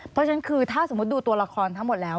เพราะฉะนั้นคือถ้าสมมุติดูตัวละครทั้งหมดแล้ว